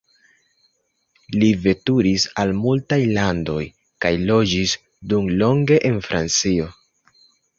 Li veturis al multaj landoj kaj loĝis dumlonge en Francio.